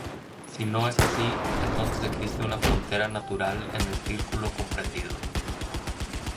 Si no es así, entonces existe una frontera natural en el círculo comprendido.